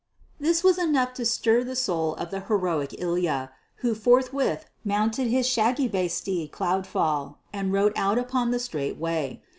This was enough to stir the soul of the heroic Ilya, who forthwith mounted his shaggy bay steed Cloudfall, and rode out upon the straight way.